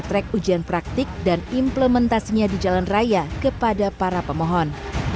track ujian praktik dan implementasinya di jalan raya kepada para pemohon